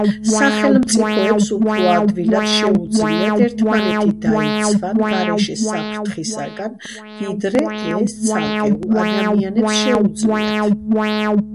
სახელმწიფოებს უფრო ადვილად შეუძლიათ ერთმანეთი დაიცვან გარეშე საფრთხისგან, ვიდრე ეს ცალკეულ ადამიანებს შეუძლიათ.